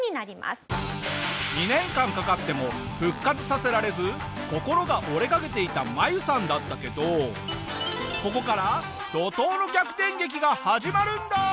２年間かかっても復活させられず心が折れかけていたマユさんだったけどここから怒濤の逆転劇が始まるんだ！